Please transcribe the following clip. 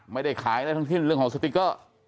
ไม่ได้ขายอะไรทั้งสิ้นเรื่องของสติ๊กเกอร์